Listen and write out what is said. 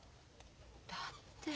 だって。